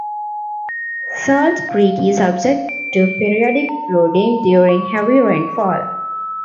Salt Creek is subject to periodic flooding during heavy rainfall.